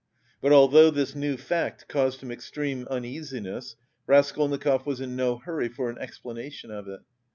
But although this new fact caused him extreme uneasiness, Raskolnikov was in no hurry for an explanation of it.